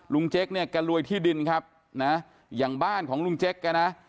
เจ๊กเนี่ยแกรวยที่ดินครับนะอย่างบ้านของลุงเจ๊กแกนะ